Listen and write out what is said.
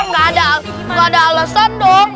gak ada alasan dong